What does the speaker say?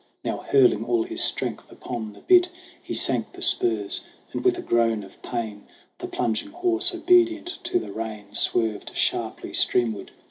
Now hurling all his strength upon the bit, He sank the spurs, and with a groan of pain The plunging horse, obedient to the rein, Swerved sharply streamward.